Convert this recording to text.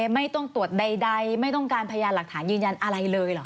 ไม่ต้องตรวจใดไม่ต้องการพยานหลักฐานยืนยันอะไรเลยเหรอ